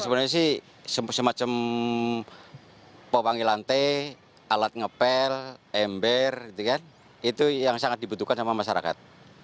sebenarnya sih semacam pewangi lantai alat ngepel ember itu yang sangat dibutuhkan sama masyarakat